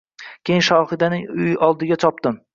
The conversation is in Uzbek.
Keyin Shohidaning oldiga chopdim